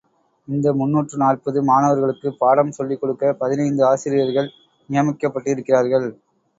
இந்த முன்னூற்று நாற்பது மாணவர்களுக்குப் பாடம் சொல்லிக் கொடுக்க பதினைந்து ஆசிரியர்கள் நியமிக்கப்பட்டிருக்கிறார்கள்.